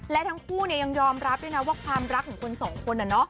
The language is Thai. และทั้งคู่ยังยอมรับด้วยนะว่าความรักของคนสองคน